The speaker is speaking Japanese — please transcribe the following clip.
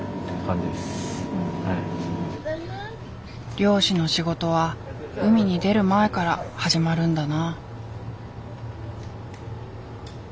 漁師の仕事は海に出る前から始まるんだな。